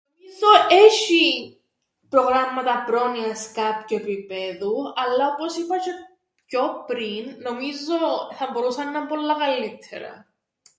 Νομίζω έσ̆ει προγράμματα πρόνοιας κάποιου επιπέδου αλλά όπως είπα τζ̆αι πιο πριν, νομίζω θα μπορούσαν να 'ν' πολλά καλλ΄υττερα.